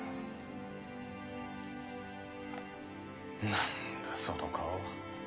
何だその顔。